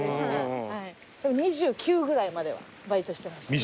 ２９ぐらいまではバイトしてました。